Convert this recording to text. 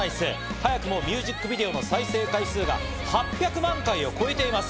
早くもミュージックビデオの再生回数が８００万回を超えています。